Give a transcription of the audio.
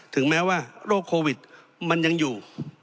ถึงแม้ว่าโรคโควิดมันยังอยู่